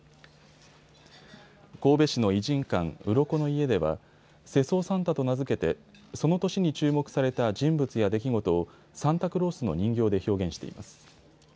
神戸市の異人館、うろこの家では世相サンタと名付けてその年に注目された人物や出来事をサンタクロースの人形で表現しています。